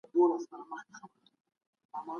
لویه جرګه د ولس او دولت ترمنځ د پل حیثیت لري.